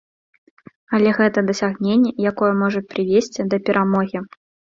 Але гэта дасягненне, якое можа прывесці да перамогі.